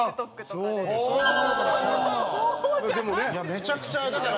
めちゃくちゃだから。